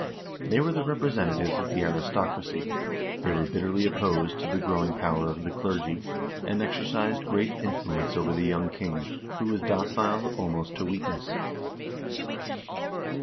They were the representa tives of the aristocracy, they were bitterly opposed to the growing power of the clergy, and exercised great influence over the young king, who was docile almost to weakness.